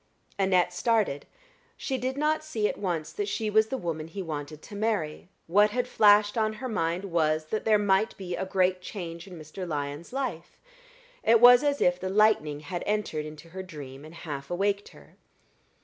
Annette started. She did not see at once that she was the woman he wanted to marry; what had flashed on her mind was, that there might be a great change in Mr. Lyon's life. It was as if the lightning had entered into her dream and half awaked her.